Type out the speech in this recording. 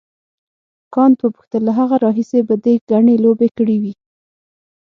کانت وپوښتل له هغه راهیسې به دې ګڼې لوبې کړې وي.